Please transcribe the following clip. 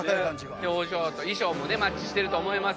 表情と衣装もマッチしてると思います。